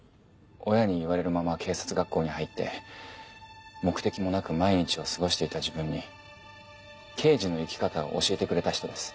親に言われるまま警察学校に入って目的もなく毎日を過ごしていた自分に刑事の生き方を教えてくれた人です